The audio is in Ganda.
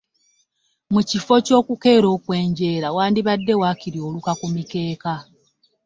Mu kifo ky'okukeera okwenjeera wandibadde waakiri oluka ku mikeeka.